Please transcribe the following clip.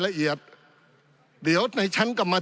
ปี๑เกณฑ์ทหารแสน๒